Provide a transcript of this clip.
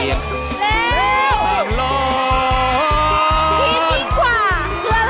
ดีมิ่งกว่า